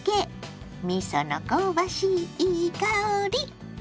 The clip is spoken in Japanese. みその香ばしいいい香り！